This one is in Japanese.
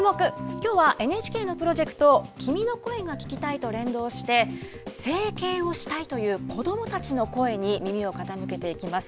きょうはＮＨＫのプロジェクト、君の声が聴きたいと連動して、整形をしたいという子どもたちの声に耳を傾けていきます。